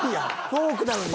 フォークなのに？